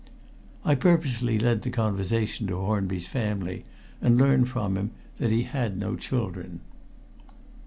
I purposely led the conversation to Hornby's family, and learned from him that he had no children.